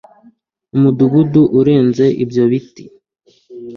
Umudugudu urenze ibyo biti